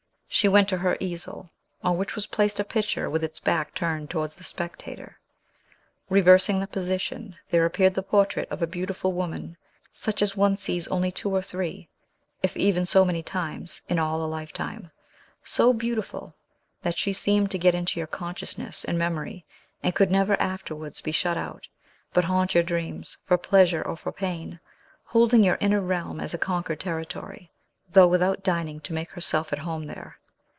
She went to her easel, on which was placed a picture with its back turned towards the spectator. Reversing the position, there appeared the portrait of a beautiful woman, such as one sees only two or three, if even so many times, in all a lifetime; so beautiful, that she seemed to get into your consciousness and memory, and could never afterwards be shut out, but haunted your dreams, for pleasure or for pain; holding your inner realm as a conquered territory, though without deigning to make herself at home there.